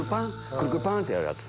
クルクルパン！ってやるやつ。